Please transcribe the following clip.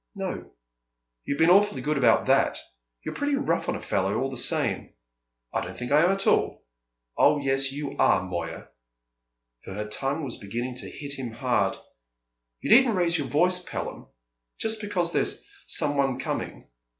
"No. You've been awfully good about that. You're pretty rough on a fellow, all the same!" "I don't think I am at all." "Oh, yes, you are, Moya!" For her tongue was beginning to hit him hard. "You needn't raise your voice, Pelham, just because there's some one coming."